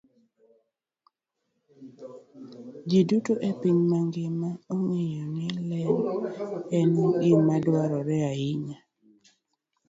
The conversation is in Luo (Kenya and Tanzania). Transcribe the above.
Ji duto e piny mangima ong'eyo ni ler en gima dwarore ahinya.